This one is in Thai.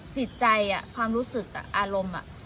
จิตใจความรู้สึกอารมณ์